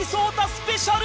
スペシャル！